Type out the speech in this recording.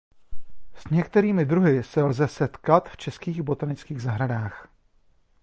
S některými druhy se lze setkat v českých botanických zahradách.